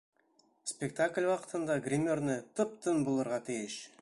Спектакль ваҡытында гримерная тып-тын булырға тейеш!